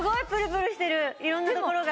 色んなところが。